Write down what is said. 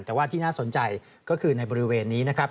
แต่ว่าที่น่าสนใจก็คือในบริเวณนี้นะครับ